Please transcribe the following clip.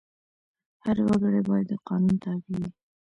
هر وګړی باید د قانون تابع وي.